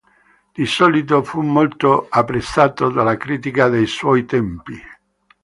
Di solito fu molto apprezzato dalla critica dei suoi tempi.